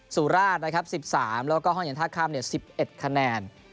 สุราชนะครับ๑๓แล้วก็ห้องเย็นท่าข้าม๑๑คะแนน